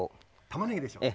たまねぎでしょう！